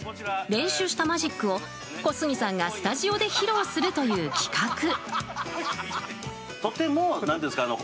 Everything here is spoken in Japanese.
練習したマジックを小杉さんがスタジオで披露するという企画。